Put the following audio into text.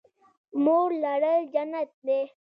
مور لرل جنت دی